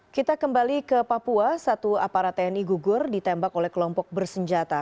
kita kembali ke papua satu aparat tni gugur ditembak oleh kelompok bersenjata